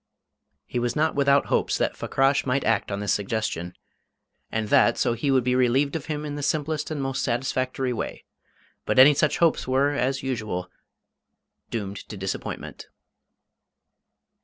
He was not without hopes that Fakrash might act on this suggestion, and that so he would be relieved of him in the simplest and most satisfactory way; but any such hopes were as usual doomed to disappointment.